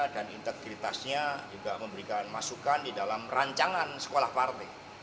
dan integritasnya juga memberikan masukan di dalam rancangan sekolah partai